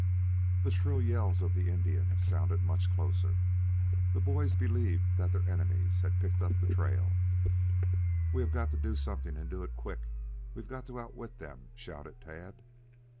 The shrill yells of the Indians sounded much closer. The boys believed that their enemies had picked up the trail. "We have got to do something, and do it quick. We've got to outwit them," shouted Tad.